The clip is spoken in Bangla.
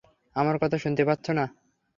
আমার কথা শুনতে পাচ্ছো না?